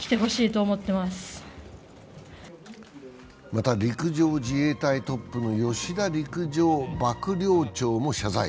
また、陸上自衛隊トップの吉田陸上幕僚長も謝罪。